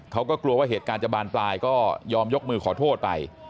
เขาก็กลัวว่าเหตุการณ์จะบานปลายก็ยอมยกมือขอโทษไป